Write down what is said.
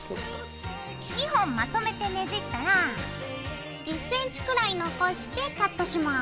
２本まとめてねじったら１ｃｍくらい残してカットします。